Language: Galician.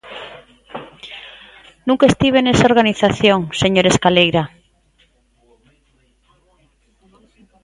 Nunca estiven nesa organización, señor Escaleira.